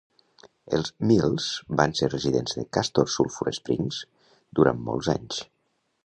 Els Mills van ser residents de Castor Sulfur Springs durant molts anys.